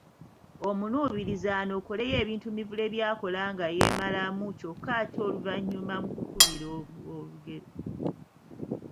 Omuluubirizi anokoleyo ebintu Mivule by’akola nga yeemalamu kyokka ate oluvannyuma mu kukubira olugero